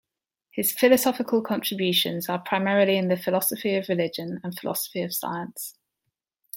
His philosophical contributions are primarily in the philosophy of religion and philosophy of science.